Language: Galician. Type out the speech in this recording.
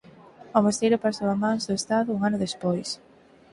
O mosteiro pasou a mans do Estado un ano despois.